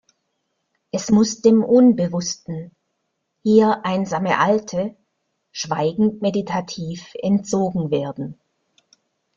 Es muss dem Unbewussten, hier einsame Alte, schweigend-meditativ entzogen werden.